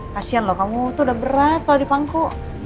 kasian lo kamu tuh udah berat kalo dipangku